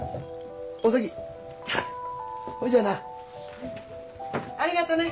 うん。ありがとね。